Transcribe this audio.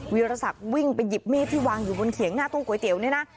รสักวิ่งไปหยิบมีดที่วางอยู่บนเขียงหน้าตู้ก๋วยเตี๋ยวเนี่ยนะ